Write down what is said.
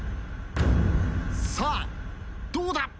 さあどうだ？